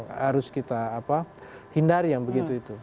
jadi itu harus kita apa hindari yang begitu itu